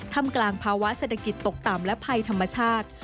ทำกลางภาวะเศรษฐกิจตกต่ำและภัยธรรมชาติ